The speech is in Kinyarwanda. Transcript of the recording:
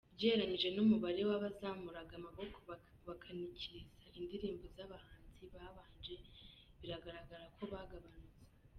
Ugereranyije n’umubare w’abazamuraga amaboko bakanikiriza indirimbo z’abahanzi babanje, biragaragara ko bagabanutse.